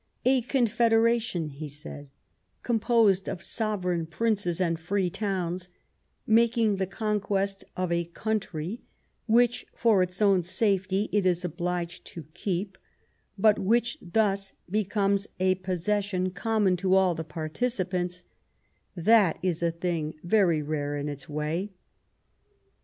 " A Confederation," he said, " composed of Sovereign Princes and free towns, making the conquest of a country, which, for its own safety, it is obliged to keep, but which thus becomes a possession common to all the participants — that is a thing very rare in its way."